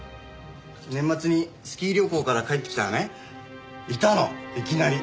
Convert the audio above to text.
年末にスキー旅行から帰ってきたらねいたのいきなり。